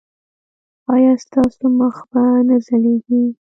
ایا ستاسو مخ به نه ځلیږي؟